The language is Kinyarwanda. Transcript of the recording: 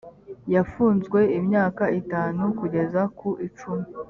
yafunzwe imyaka itanu kugeza ku icumi.